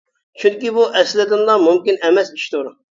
چۈنكى بۇ ئەسلىدىنلا مۇمكىن ئەمەس ئىشتۇر.